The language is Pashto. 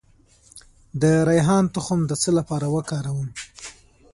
د ریحان تخم د څه لپاره وکاروم؟